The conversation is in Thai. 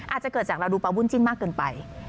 อาจจะเกิดจากเราดูปลาวุ่นจิ้นมากเกินไป